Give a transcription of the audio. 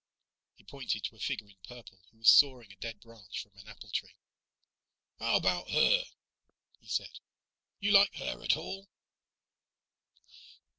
He pointed to a figure in purple who was sawing a dead branch from an apple tree. "How about her?" he said. "You like her at all?"